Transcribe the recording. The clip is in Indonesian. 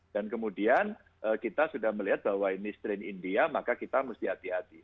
dan kemudian kita sudah melihat bahwa ini strain india maka kita harus hati hati